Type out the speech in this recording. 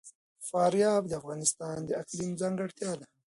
فاریاب د افغانستان د اقلیم ځانګړتیا ده.